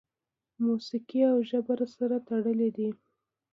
موسیقي او ژبه سره تړلي دي.